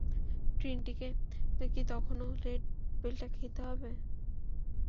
ট্রিনিটিকে কি তখনও রেড পিলটা খেতে হবে?